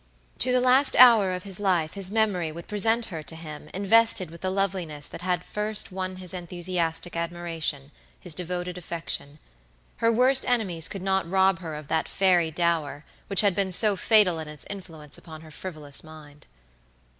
To the last hour of his life his memory would present her to him invested with the loveliness that had first won his enthusiastic admiration, his devoted affection. Her worst enemies could not rob her of that fairy dower which had been so fatal in its influence upon her frivolous mind.